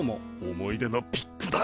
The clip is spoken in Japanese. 思い出のピックだ！